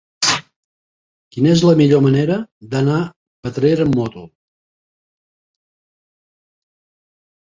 Quina és la millor manera d'anar a Petrer amb moto?